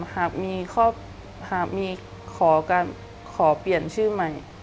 หากมีขอเปลี่ยนชื่อใหม่